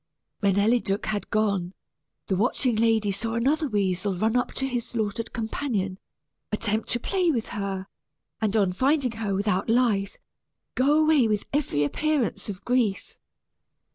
When Eliduc had gone, the watching lady saw another weasel run up to his slaughtered companion, attempt to play with her, and on finding her without life, go away with every appearance of grief.